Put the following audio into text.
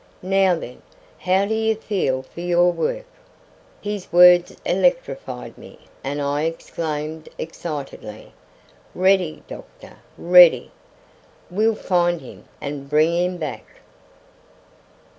Now, then, how do you feel for your work?" His words electrified me, and I exclaimed excitedly: "Ready, doctor, ready. We'll find him and bring him back."